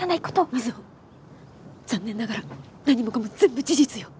瑞穂残念ながら何もかも全部事実よ！